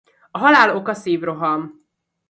A halál oka szívroham.